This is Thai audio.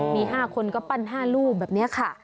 มีห้าคนก็ปั้นห้ารูปแบบนี้ค่ะ